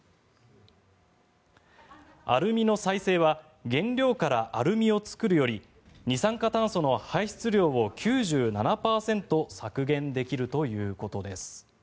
アルミの再生は原料からアルミを作るより二酸化炭素の排出量を９７％削減できるということです。